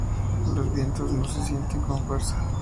Los vientos no se sienten con fuerza.